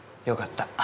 よかった。